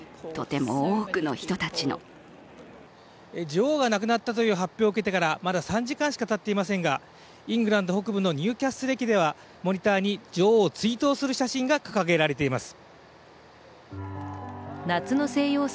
女王が亡くなったという発表を受けてから、まだ３時間しかたっていませんがイングランド北部のニューキャッスル駅ではモニターに女王を追悼する写真が掲げられています。